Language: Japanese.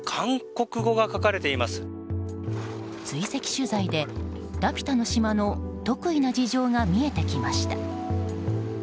追跡取材でラピュタの島の特異な事情が見えてきました。